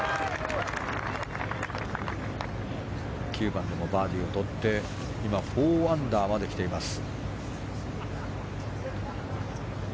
９番でもバーディーをとって今４アンダーまで来ています。